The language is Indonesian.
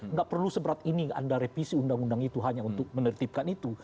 nggak perlu seberat ini anda revisi undang undang itu hanya untuk menertibkan itu